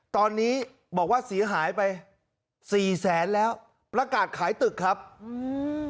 ตอนนี้บอกว่าเสียหายไปสี่แสนแล้วประกาศขายตึกครับอืม